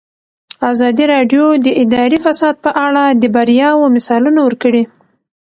ازادي راډیو د اداري فساد په اړه د بریاوو مثالونه ورکړي.